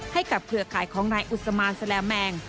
ให้กับเครือข่ายของนายอุศมานแสลแมง